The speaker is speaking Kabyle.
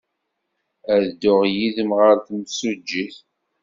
Ad dduɣ yid-m ɣer temsujjit.